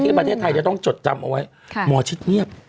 ประเทศไทยจะต้องจดจำเอาไว้หมอชิดเงียบ